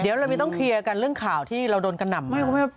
เดี๋ยวเราไม่ต้องเคลียร์กันเรื่องข่าวที่เราโดนกระหน่ำ